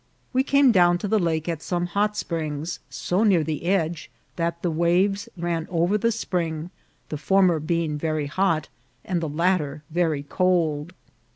We came down to the lake at some hot springs, so near the edge that the waves ran over the spring, the former being very hot, and the latter very cold.